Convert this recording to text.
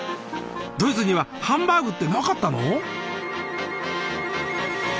ドイツにはハンバーグってなかったの？